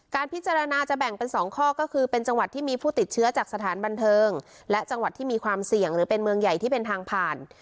พิจารณาจะแบ่งเป็น๒ข้อก็คือเป็นจังหวัดที่มีผู้ติดเชื้อจากสถานบันเทิงและจังหวัดที่มีความเสี่ยงหรือเป็นเมืองใหญ่ที่เป็นทางผ่าน